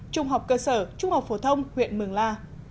trung học cơ sở trung học phổ thông huyện mường la